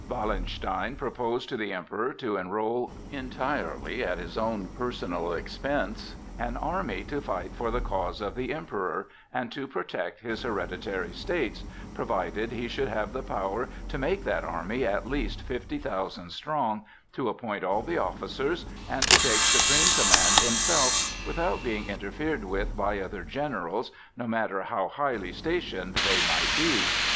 Wallenstein proposed to the Emperor to enroll, entirely at his own personal expense, an army to fight for the cause of the Emperor and to protect his hereditary states, provided he should have the power to make that army at least fifty thousand strong, to appoint all the officers, and take supreme command himself, without being interfered with by other generals, no matter how highly stationed they might be.